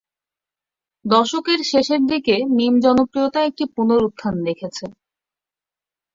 দশকের শেষের দিকে, মিম জনপ্রিয়তা একটি পুনরুত্থান দেখেছে।